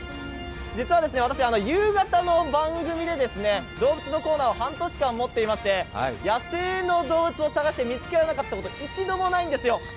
実は私、夕方の番組で動物のコーナーを半年間持っていまして、野生の動物を探して見つけられなかったこと一度もないんですよ。